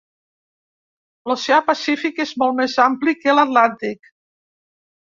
L'oceà Pacífic és molt més ampli que l'Atlàntic.